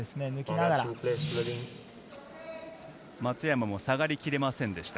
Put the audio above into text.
松山も下がりきれませんでした。